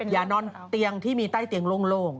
อย่านอนเตียงที่มีใต้เตียงโล่ง